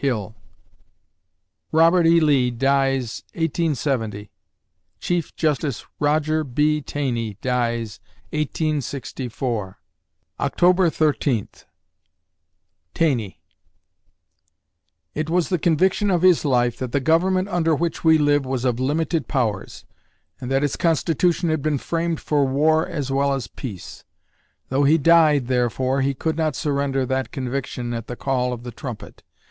HILL Robert E. Lee dies, 1870 Chief Justice Roger B. Taney dies, 1864 October Thirteenth TANEY It was the conviction of his life that the Government under which we live was of limited powers, and that its constitution had been framed for war as well as peace. Though he died, therefore, he could not surrender that conviction at the call of the trumpet.